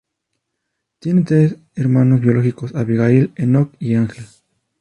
Tiene tres hermanos biológicos: Abigail, Enoc y Angel.